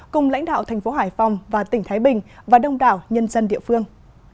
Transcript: cùng lãnh đạo tp hải phòng và tp thái bình và đông đảo nhân dân địa phương